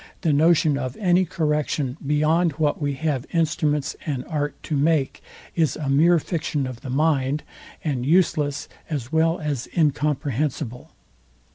The notion of any correction beyond what we have instruments and art to make, is a mere fiction of the mind, and useless as well as incomprehensible.